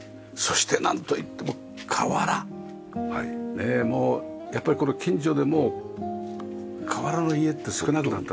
ねえもうやっぱりこの近所でも瓦の家って少なくなった。